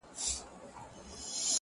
پسرلی نسته ملیاره چي رانه سې -